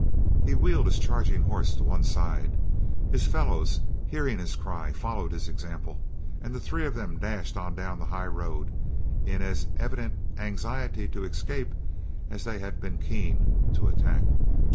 He wheeled his charging horse to one side. His fellows, hearing his cry, followed his example, and the three of them dashed on down the high road in as evident anxiety to escape as they had been keen to attack.